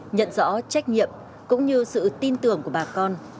nhận rõ trách nhiệm cũng như sự tin tưởng của bà con